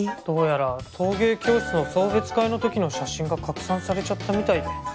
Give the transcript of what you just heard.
どうやら陶芸教室の送別会の時の写真が拡散されちゃったみたいで。